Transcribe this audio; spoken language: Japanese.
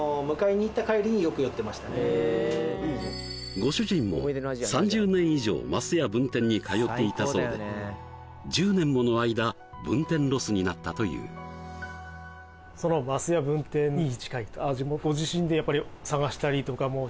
ご主人も３０年以上ますや分店に通っていたそうで１０年もの間分店ロスになったというそうなんですよ